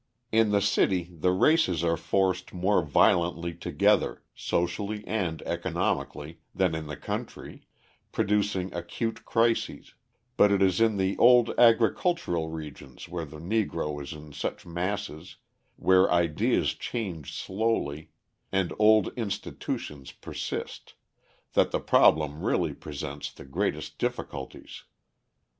In the city the races are forced more violently together, socially and economically, than in the country, producing acute crises, but it is in the old agricultural regions where the Negro is in such masses, where ideas change slowly, and old institutions persist, that the problem really presents the greatest difficulties.